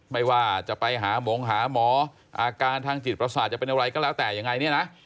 ไม่ว่าจะไปหาหมงหาหมออาการทางจิตประสาทจะเป็นอะไรก็แล้วแต่ยังไงเนี่ยนะ